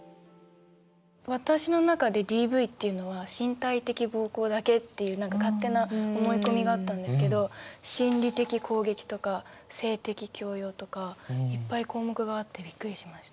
私の中でＤＶっていうのは身体的暴行だけっていう勝手な思い込みがあったんですけど心理的攻撃とか性的強要とかいっぱい項目があってびっくりしました。